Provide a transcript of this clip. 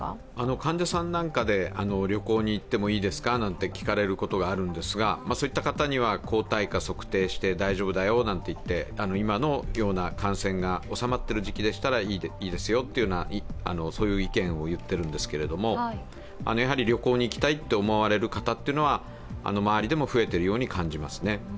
患者さんなんかで旅行に行ってもいいですかなんて聞かれることがあるんですがそういった方には抗体価を測定して、大丈夫だよと言って今のような感染が収まっている時期でしたらいいですよと、そういう意見を言っているんですけどやはり旅行に行きたいと思われる方というのは、周りでも増えているように感じますね。